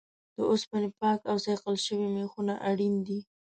د اوسپنې پاک او صیقل شوي میخونه اړین دي.